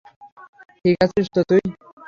ঠিক আছিস তো তুই?